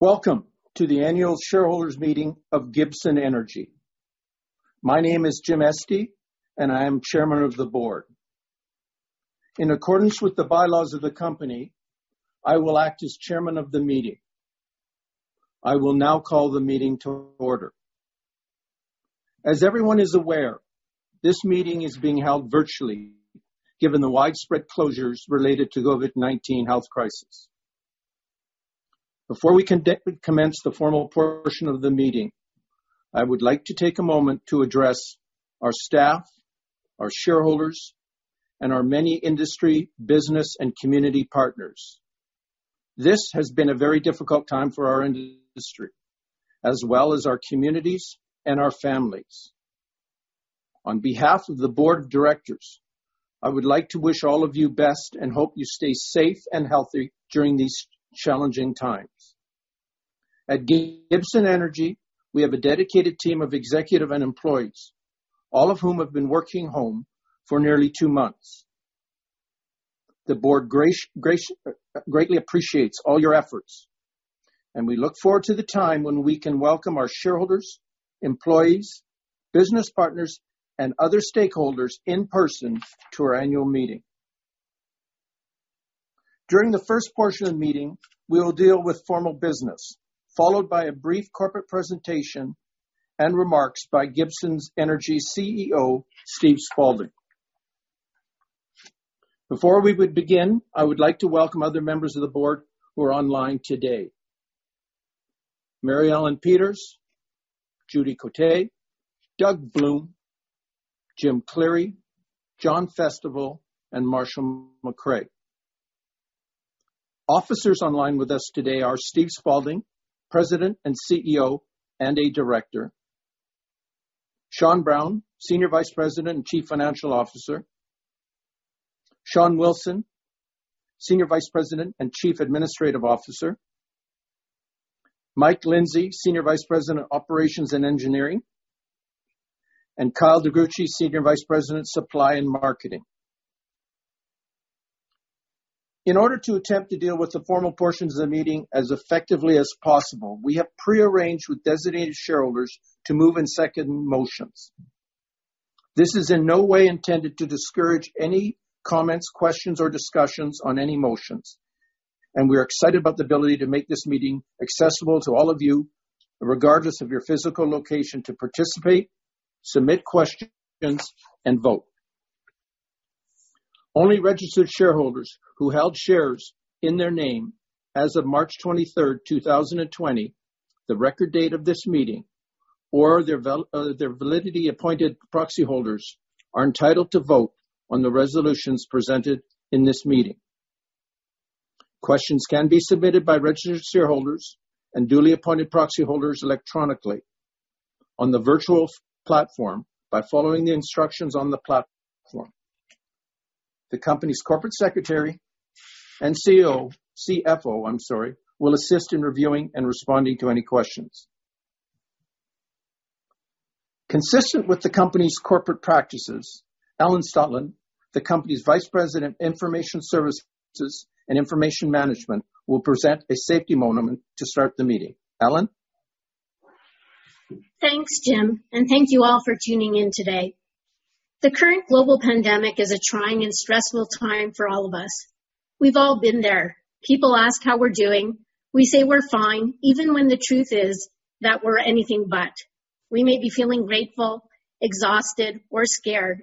Welcome to the annual shareholders' meeting of Gibson Energy. My name is Jim Estey, and I am Chairman of the Board. In accordance with the bylaws of the company, I will act as chairman of the meeting. I will now call the meeting to order. As everyone is aware, this meeting is being held virtually given the widespread closures related to the COVID-19 health crisis. Before we commence the formal portion of the meeting, I would like to take a moment to address our staff, our shareholders, and our many industry, business, and community partners. This has been a very difficult time for our industry, as well as our communities and our families. On behalf of the board of directors, I would like to wish all of you best and hope you stay safe and healthy during these challenging times. At Gibson Energy, we have a dedicated team of executive and employees, all of whom have been working home for nearly two months. The board greatly appreciates all your efforts, and we look forward to the time when we can welcome our shareholders, employees, business partners, and other stakeholders in person to our annual meeting. During the first portion of the meeting, we will deal with formal business, followed by a brief corporate presentation and remarks by Gibson Energy's CEO, Steve Spaulding. Before we would begin, I would like to welcome other members of the board who are online today: Mary Ellen Peters, Judy Cotte, Doug Bloom, Jim Cleary, John Festival, and Marshall McRae. Officers online with us today are Steve Spaulding, President and CEO and a Director, Sean Brown, Senior Vice President and Chief Financial Officer, Sean Wilson, Senior Vice President and Chief Administrative Officer, Mike Lindsay, Senior Vice President of Operations and Engineering, and Kyle DeGruchy, Senior Vice President of Supply and Marketing. In order to attempt to deal with the formal portions of the meeting as effectively as possible, we have pre-arranged with designated shareholders to move and second motions. This is in no way intended to discourage any comments, questions, or discussions on any motions, and we're excited about the ability to make this meeting accessible to all of you, regardless of your physical location, to participate, submit questions, and vote. Only registered shareholders who held shares in their name as of March 23rd, 2020, the record date of this meeting, or their duly appointed proxy holders are entitled to vote on the resolutions presented in this meeting. Questions can be submitted by registered shareholders and duly appointed proxy holders electronically on the virtual platform by following the instructions on the platform. The company's corporate secretary and CFO, I'm sorry, will assist in reviewing and responding to any questions. Consistent with the company's corporate practices, Ellen Stotland, the company's vice president of information services and information management, will present a safety moment to start the meeting. Ellen? Thanks, Jim, and thank you all for tuning in today. The current global pandemic is a trying and stressful time for all of us. We've all been there. People ask how we're doing, we say we're fine even when the truth is that we're anything but. We may be feeling grateful, exhausted, or scared.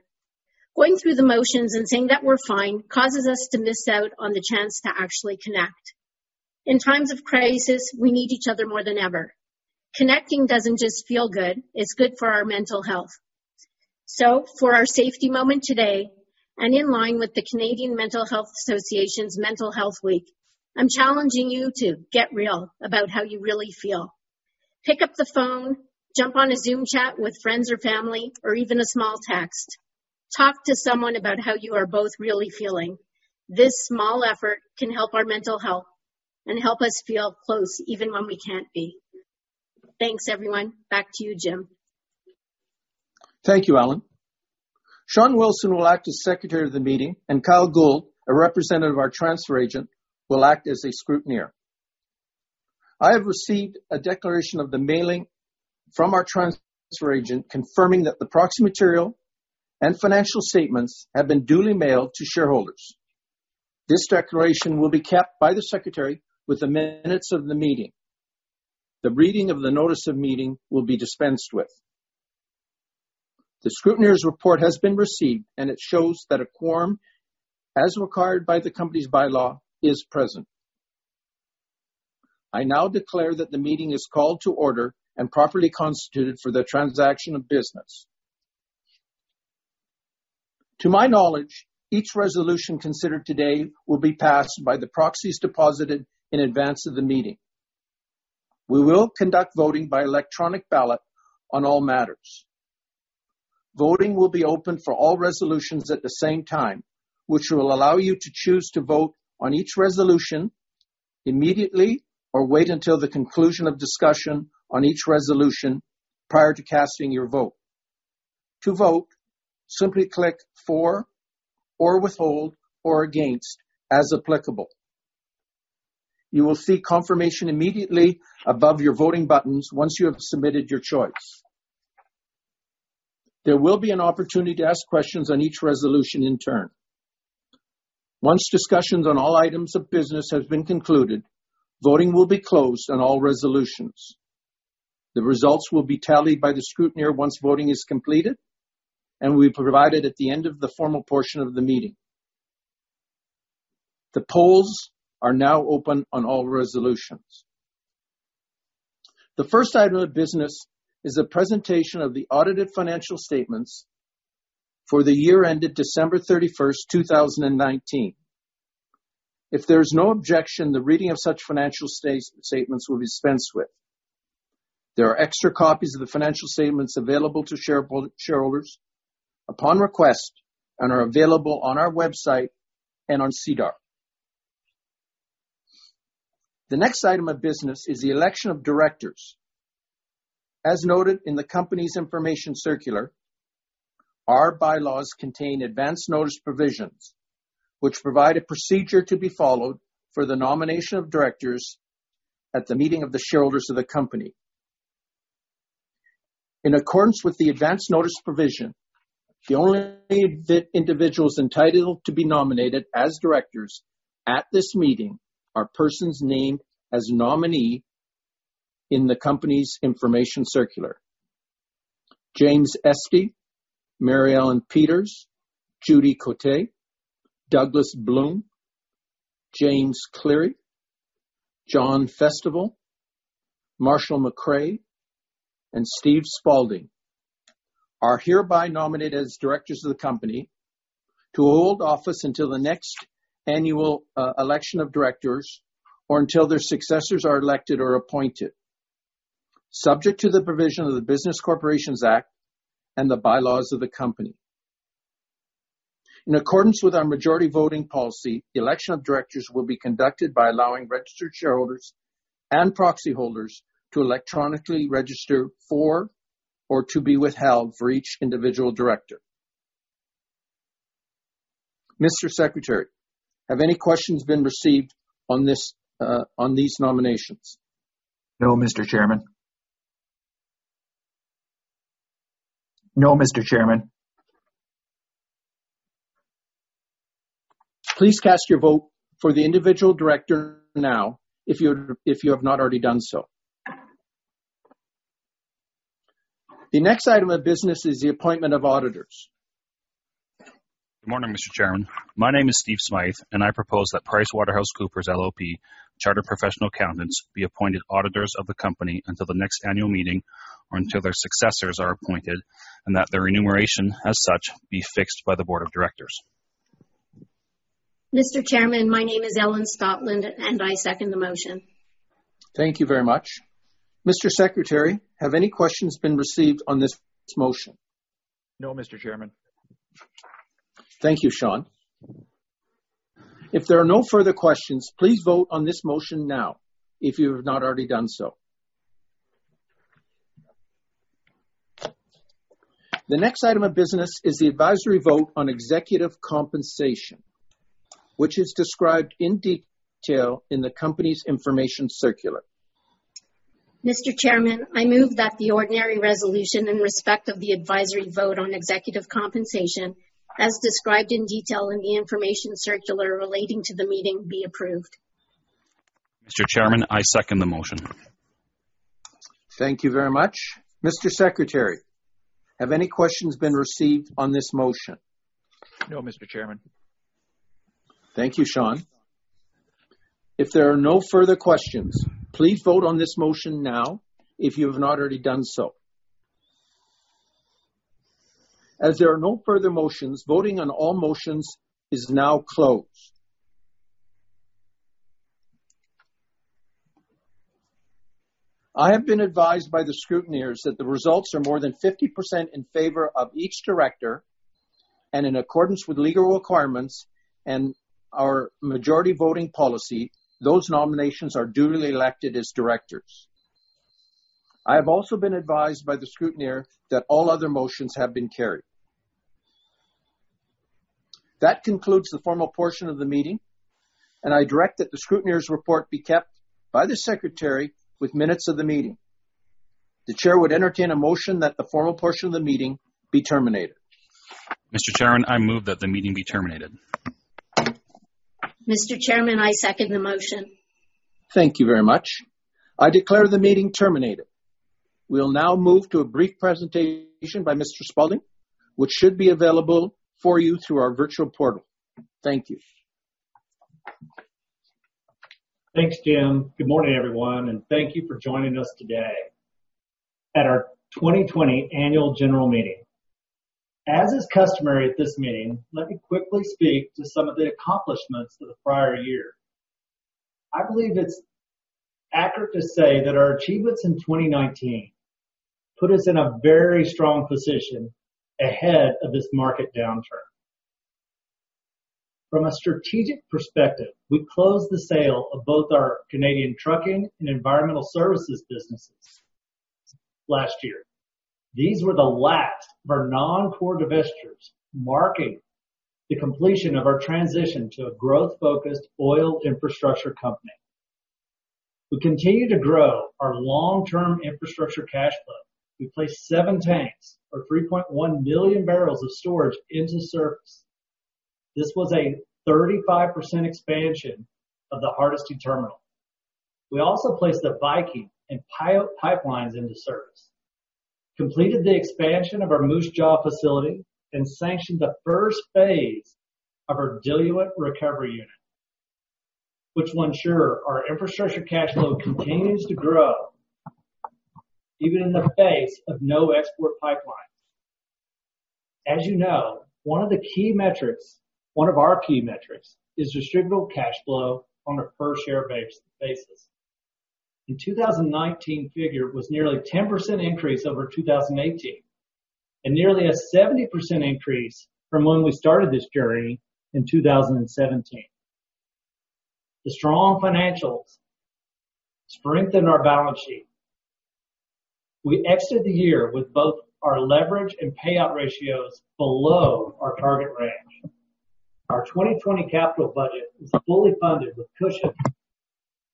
Going through the motions and saying that we're fine causes us to miss out on the chance to actually connect. In times of crisis, we need each other more than ever. Connecting doesn't just feel good, it's good for our mental health. For our safety moment today, and in line with the Canadian Mental Health Association's Mental Health Week, I'm challenging you to get real about how you really feel. Pick up the phone, jump on a Zoom chat with friends or family, or even a small text. Talk to someone about how you are both really feeling. This small effort can help our mental health and help us feel close even when we can't be. Thanks everyone. Back to you, Jim. Thank you, Ellen. Sean Wilson will act as secretary of the meeting, and Kyle Gould, a representative of our transfer agent, will act as a scrutineer. I have received a declaration of the mailing from our transfer agent confirming that the proxy material and financial statements have been duly mailed to shareholders. This declaration will be kept by the secretary with the minutes of the meeting. The reading of the notice of meeting will be dispensed with. The scrutineer's report has been received, and it shows that a quorum as required by the company's bylaw is present. I now declare that the meeting is called to order and properly constituted for the transaction of business. To my knowledge, each resolution considered today will be passed by the proxies deposited in advance of the meeting. We will conduct voting by electronic ballot on all matters. Voting will be open for all resolutions at the same time, which will allow you to choose to vote on each resolution immediately or wait until the conclusion of discussion on each resolution prior to casting your vote. To vote, simply click for, or withhold, or against, as applicable. You will see confirmation immediately above your voting buttons once you have submitted your choice. There will be an opportunity to ask questions on each resolution in turn. Once discussions on all items of business have been concluded, voting will be closed on all resolutions. The results will be tallied by the scrutineer once voting is completed, and will be provided at the end of the formal portion of the meeting. The polls are now open on all resolutions. The first item of business is a presentation of the audited financial statements for the year ended December 31st, 2019. If there's no objection, the reading of such financial statements will be dispensed with. There are extra copies of the financial statements available to shareholders upon request, and are available on our website and on SEDAR. The next item of business is the election of directors. As noted in the company's information circular, our bylaws contain advance notice provisions, which provide a procedure to be followed for the nomination of directors at the meeting of the shareholders of the company. In accordance with the advance notice provision, the only individuals entitled to be nominated as directors at this meeting are persons named as nominee in the company's information circular. James Estey, Mary Ellen Peters, Judy Cotte, Douglas Bloom, James Cleary, John Festival, Marshall McRae, and Steve Spaulding are hereby nominated as Directors of the company to hold office until the next annual election of Directors, or until their successors are elected or appointed, subject to the provision of the Business Corporations Act and the bylaws of the company. In accordance with our majority voting policy, the election of Directors will be conducted by allowing registered shareholders and proxy holders to electronically register for or to be withheld for each individual Director. Mr. Secretary, have any questions been received on these nominations? No, Mr. Chairman. No, Mr. Chairman. Please cast your vote for the individual director now, if you have not already done so. The next item of business is the appointment of auditors. Good morning, Mr. Chairman. My name is Steve Smyth, I propose that PricewaterhouseCoopers LLP, chartered professional accountants, be appointed auditors of the company until the next annual meeting or until their successors are appointed, that their enumeration as such be fixed by the board of directors. Mr. Chairman, my name is Ellen Stotland, and I second the motion. Thank you very much. Mr. Secretary, have any questions been received on this motion? No, Mr. Chairman. Thank you, Sean. If there are no further questions, please vote on this motion now, if you have not already done so. The next item of business is the advisory vote on executive compensation, which is described in detail in the company's information circular. Mr. Chairman, I move that the ordinary resolution in respect of the advisory vote on executive compensation, as described in detail in the information circular relating to the meeting, be approved. Mr. Chairman, I second the motion. Thank you very much. Mr. Secretary, have any questions been received on this motion? No, Mr. Chairman. Thank you, Sean. If there are no further questions, please vote on this motion now, if you have not already done so. As there are no further motions, voting on all motions is now closed. I have been advised by the scrutineer that the results are more than 50% in favor of each director, and in accordance with legal requirements and our majority voting policy, those nominations are duly elected as directors. I have also been advised by the scrutineer that all other motions have been carried. That concludes the formal portion of the meeting, and I direct that the scrutineer's report be kept by the secretary with minutes of the meeting. The chair would entertain a motion that the formal portion of the meeting be terminated. Mr. Chairman, I move that the meeting be terminated. Mr. Chairman, I second the motion. Thank you very much. I declare the meeting terminated. We'll now move to a brief presentation by Mr. Spaulding, which should be available for you through our virtual portal. Thank you. Thanks, Jim. Good morning, everyone, and thank you for joining us today at our 2020 Annual General Meeting. As is customary at this meeting, let me quickly speak to some of the accomplishments of the prior year. I believe it's accurate to say that our achievements in 2019 put us in a very strong position ahead of this market downturn. From a strategic perspective, we closed the sale of both our Canadian trucking and environmental services businesses last year. These were the last of our non-core divestitures, marking the completion of our transition to a growth-focused oil infrastructure company. We continue to grow our long-term infrastructure cash flow. We placed seven tanks or 3.1 million barrels of storage into service. This was a 35% expansion of the Hardisty Terminal. We also placed the Viking and Pyote pipelines into service, completed the expansion of our Moose Jaw facility, and sanctioned the first phase of our diluent recovery unit, which will ensure our infrastructure cash flow continues to grow even in the face of no export pipelines. As you know, one of our key metrics is distributable cash flow on a per share basis. The 2019 figure was nearly a 10% increase over 2018, and nearly a 70% increase from when we started this journey in 2017. The strong financials strengthen our balance sheet. We exit the year with both our leverage and payout ratios below our target range. Our 2020 capital budget is fully funded with cushion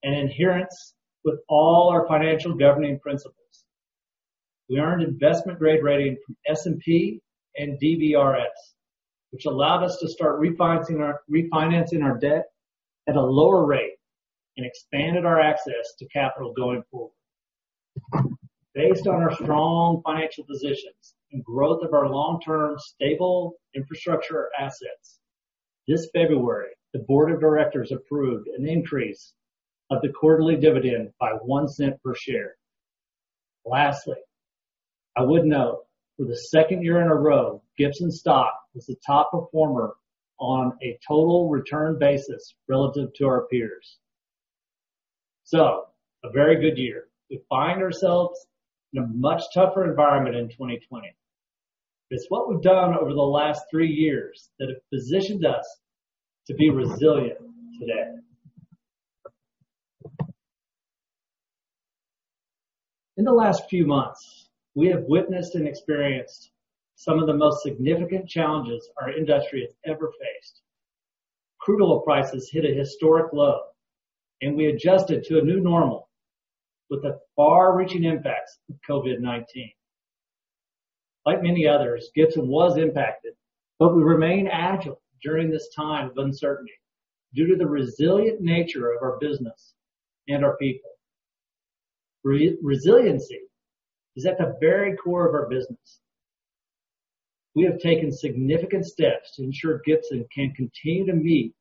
and adherence with all our financial governing principles. We earned investment-grade rating from S&P and DBRS, which allowed us to start refinancing our debt at a lower rate and expanded our access to capital going forward. Based on our strong financial positions and growth of our long-term stable infrastructure assets, this February, the board of directors approved an increase of the quarterly dividend by 0.01 per share. Lastly, I would note for the second year in a row, Gibson stock was the top performer on a total return basis relative to our peers. A very good year. We find ourselves in a much tougher environment in 2020. It's what we've done over the last three years that have positioned us to be resilient today. In the last few months, we have witnessed and experienced some of the most significant challenges our industry has ever faced. Crude oil prices hit a historic low. We adjusted to a new normal with the far-reaching impacts of COVID-19. Like many others, Gibson was impacted, but we remain agile during this time of uncertainty due to the resilient nature of our business and our people. Resiliency is at the very core of our business. We have taken significant steps to ensure Gibson can continue to meet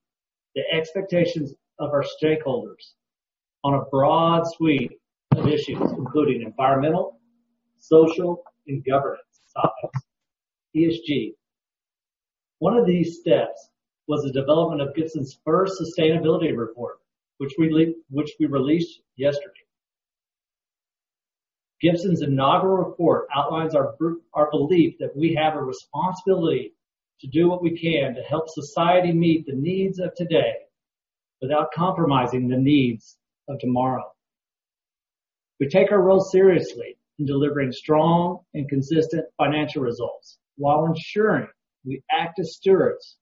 the expectations of our stakeholders on a broad suite of issues, including environmental, social, and governance topics, ESG. One of these steps was the development of Gibson's first sustainability report, which we released yesterday. Gibson's inaugural report outlines our belief that we have a responsibility to do what we can to help society meet the needs of today without compromising the needs of tomorrow. We take our role seriously in delivering strong and consistent financial results while ensuring we act as stewards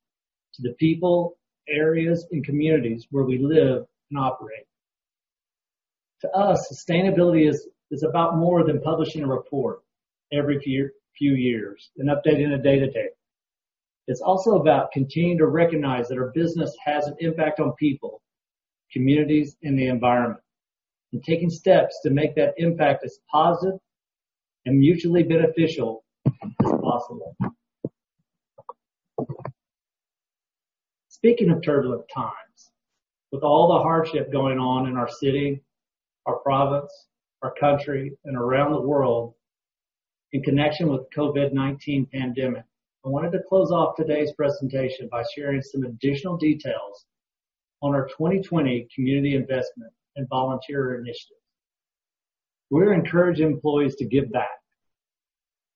to the people, areas, and communities where we live and operate. To us, sustainability is about more than publishing a report every few years and updating a data table. It's also about continuing to recognize that our business has an impact on people, communities, and the environment, and taking steps to make that impact as positive and mutually beneficial as possible. Speaking of turbulent times, with all the hardship going on in our city, our province, our country, and around the world in connection with the COVID-19 pandemic, I wanted to close off today's presentation by sharing some additional details on our 2020 community investment and volunteer initiatives. We're encouraging employees to give back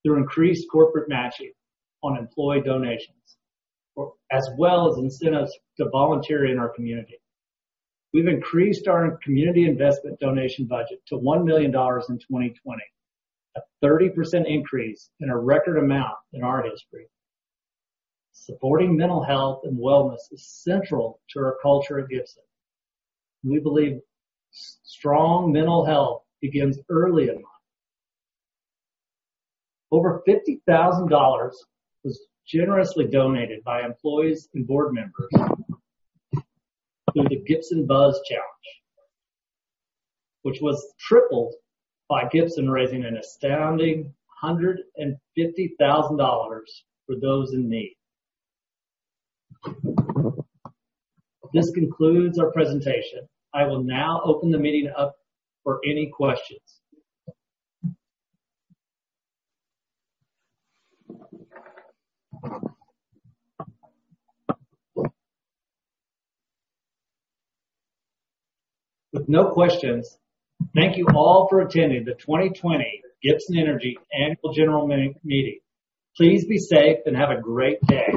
through increased corporate matching on employee donations, as well as incentives to volunteer in our community. We've increased our community investment donation budget to 1 million dollars in 2020, a 30% increase and a record amount in our history. Supporting mental health and wellness is central to our culture at Gibson. We believe strong mental health begins early in life. Over 50,000 dollars was generously donated by employees and board members through the Gibson Buzz Challenge, which was tripled by Gibson raising an astounding 150,000 dollars for those in need. This concludes our presentation. I will now open the meeting up for any questions. With no questions, thank you all for attending the 2020 Gibson Energy Annual General Meeting. Please be safe and have a great day